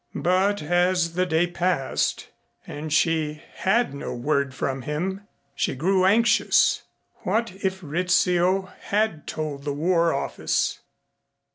But as the day passed and she had no word from him, she grew anxious. What if Rizzio had told the War Office!